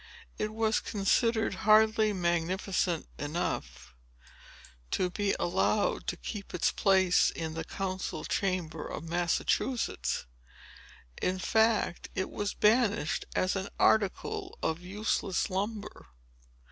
It was considered hardly magnificent enough to be allowed to keep its place in the council chamber of Massachusetts. In fact, it was banished as an article of useless lumber.